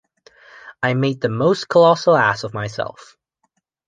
I made the most colossal ass of myself.